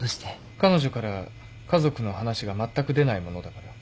彼女から家族の話が全く出ないものだから。